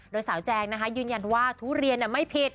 โดยสาวแจงนะคะยืนยันว่าทุเรียนไม่ผิด